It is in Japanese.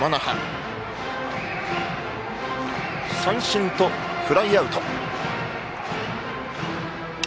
ここまで三振とフライアウト。